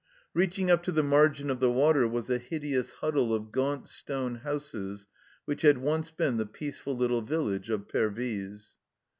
Reaching up to the margin of the water was a hideous huddle of gaunt stone houses which had once been the peaceful little village of Pervyse.